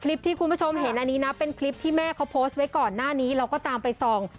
คลิปที่คุณผู้ชมเห็นอันนี้นะเป็นคลิปที่แม่เขาโพสต์ไว้ก่อนหน้านี้เราก็ตามไปส่อง